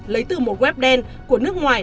lấy từ một web đen của nước ngoài